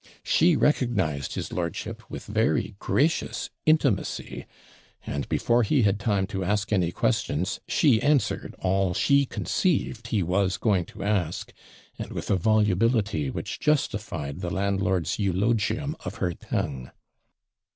She recognised his lordship with very gracious intimacy; and, before he had time to ask any questions, she answered all she conceived he was going to ask, and with a volubility which justified the landlord's eulogium of her tongue.